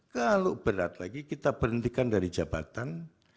kalau berat lagi kita berhentikan dari jabatan